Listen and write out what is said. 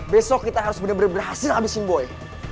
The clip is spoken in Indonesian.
besok kita harus bener bener berhasil habisin boi